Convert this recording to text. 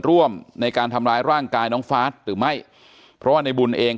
ร่วมในการทำร้ายร่างกายน้องฟ้าสหรือไม่เพราะว่าในบุญเอง